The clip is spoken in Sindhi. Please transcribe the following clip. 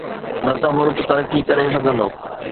نه ته ملڪ ترقي ڪري سگهندو.